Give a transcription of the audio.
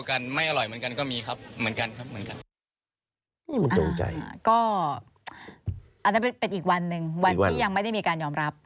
อันนั้นเป็นอีกวันหนึ่งวันที่ยังไม่ได้มีการยอมรับ